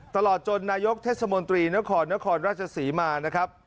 ตลอดจนนายกเทศมนตรีนครนครราชศรีมานะครับ